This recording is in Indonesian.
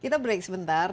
kita break sebentar